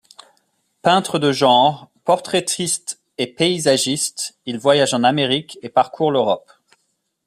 Peintre de genre, portraitiste et paysagiste, il voyage en Amérique et parcourt l'Europe.